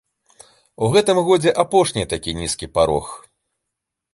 У гэтым годзе апошні такі нізкі парог.